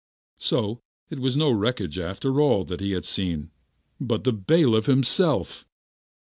So it was no wreckage after all that he had seen, but the bailiff himself.